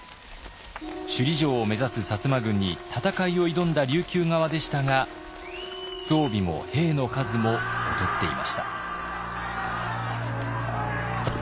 首里城を目指す摩軍に戦いを挑んだ琉球側でしたが装備も兵の数も劣っていました。